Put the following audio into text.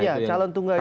ya calon tunggal itu